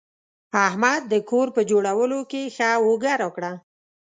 احمد د کور په جوړولو کې ښه اوږه راکړه.